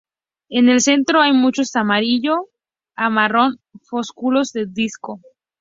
En el centro hay muchos amarillo a marrón flósculos del disco.